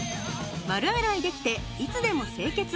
丸洗いできていつでも清潔。